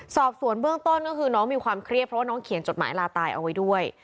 สอบสวนเบื้องต้นก็คือน้องมีความเครียดเพราะว่าน้องเขียนจดหมายลาตายเอาไว้ด้วย